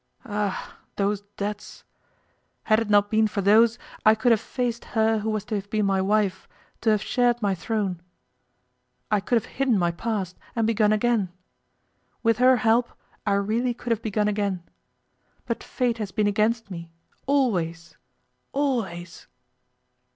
Ah! those debts! Had it not been for those I could have faced her who was to have been my wife, to have shared my throne. I could have hidden my past, and begun again. With her help I really could have begun again. But Fate has been against me always! always!